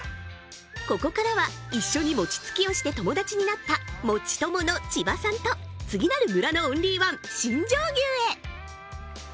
ここからは一緒に餅つきをして友達になったもち友の千葉さんと次なる村のオンリーワン新庄牛へ！